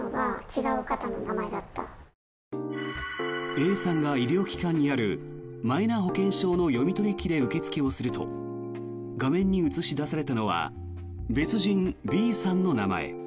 Ａさんが医療機関にあるマイナ保険証の読み取り機で受け付けをすると画面に映し出されたのは別人、Ｂさんの名前。